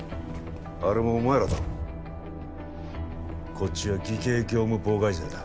あれもお前らだろこっちは偽計業務妨害罪だ